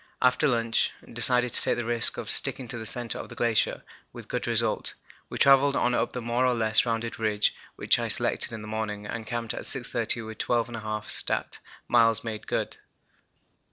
After lunch decided to take the risk of sticking to the centre of the glacier, with good result. We travelled on up the more or less rounded ridge which I had selected in the morning, and camped at 6.30 with 12 1/2 stat. miles made good.